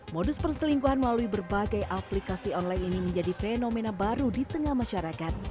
modus perselingkuhan melalui berbagai aplikasi online ini menjadi fenomena baru di tengah masyarakat